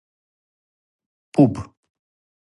Пуб